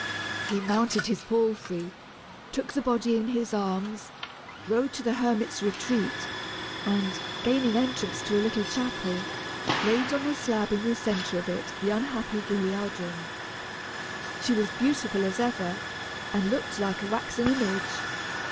He mounted his palfrey, took the body in his arms, rode to the hermit's retreat, and, gaining entrance to a little chapel, laid on a slab in the centre of it the unhappy Guilliadun. She was beautiful as ever, and looked like a waxen image.